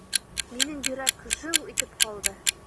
Минең йөрәк жыу итеп ҡалды.